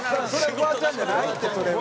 フワちゃんじゃないってそれは。